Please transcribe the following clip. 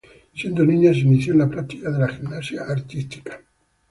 Siendo niña se inició en la práctica de la gimnasia artística.